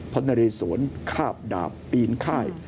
พระนเรศวรข้าบดาบปีนค่าย